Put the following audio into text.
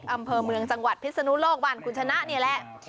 อำเภอเมืองจังหวัดพิศนุโลกบ้านคุณชนะนี่แหละ